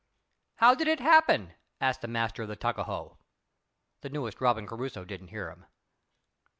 "How did it happen?" asked the master of the Tuckahoe. The newest Robinson Crusoe didn't hear him.